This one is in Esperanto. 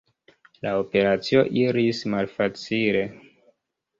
La operacio iris malfacile.